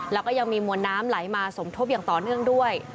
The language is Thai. แล้วก็ยังมีมวลน้ำไหลมาสมทบอย่างต่อเนื่องด้วย